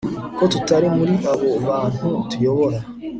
ko tutari muri abo bantu tuyobora